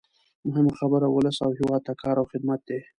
مهمه خبره ولس او هېواد ته کار او خدمت دی.